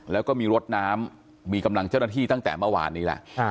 แล้วก็มีรถน้ำมีกำลังเจ้าหน้าที่ตั้งแต่เมื่อวานนี้แล้ว